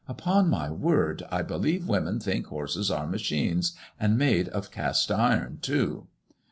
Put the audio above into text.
" Upon my word, I believe women think horses are machines, and made of cast iron too."